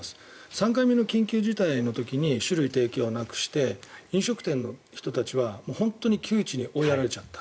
３回目の緊急事態の時に酒類提供をなくして飲食店の人たちは本当に窮地に追いやられちゃった。